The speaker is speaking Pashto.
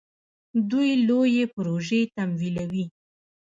دوی لویې پروژې تمویلوي.